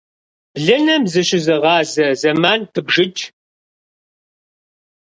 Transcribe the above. Блыным зыщызыгъазэ, зэман пыбжыкӀ.